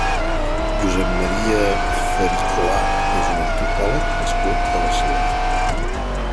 Josep Maria Fericgla és un antropòleg nascut a Barcelona.